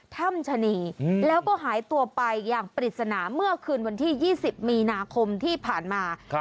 ถ้ำชะนีแล้วก็หายตัวไปอย่างปริศนาเมื่อคืนวันที่๒๐มีนาคมที่ผ่านมา